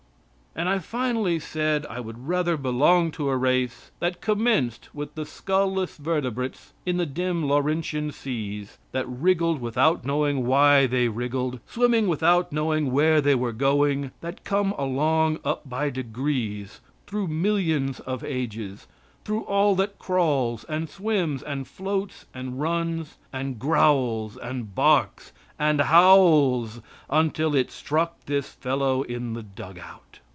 And I finally said I would rather belong to a race that commenced with the skull less vertebrates in the dim Laurentian seas, that wriggled without knowing why they wriggled, swimming without knowing where they were going, that come along up by degrees through millions of ages, through all that crawls, and swims, and floats, and runs, and growls, and barks, and howls, until it struck this fellow in the dug out.